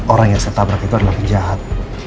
orang yang saya tabrak itu adalah penjahat